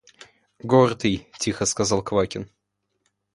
– Гордый, – тихо сказал Квакин.